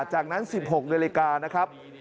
จากนั้น๑๖นาฬิกานะครับ